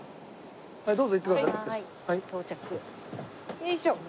よいしょ。